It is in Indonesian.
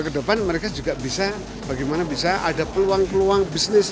kedepan mereka juga bisa bagaimana bisa ada peluang peluang bisnis